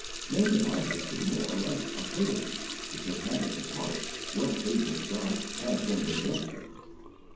Many a life has been more or less a failure because habits of heart well pleasing to God have been neglected.